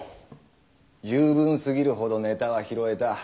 十分すぎるほどネタは拾えた。